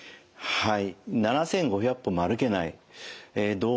はい。